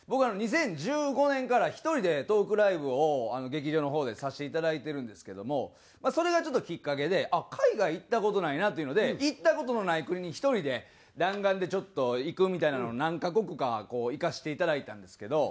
僕２０１５年から１人でトークライブを劇場のほうでさせていただいてるんですけどもそれがちょっときっかけであっ海外行った事ないなというので行った事のない国に１人で弾丸でちょっと行くみたいなのを何カ国かこう行かせていただいたんですけど。